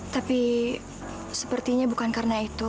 tapi sepertinya bukan karena itu